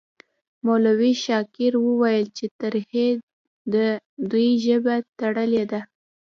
مولوي شاکر وویل چې ترهې د دوی ژبه تړلې ده.